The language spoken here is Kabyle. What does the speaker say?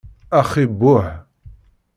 Axi buh!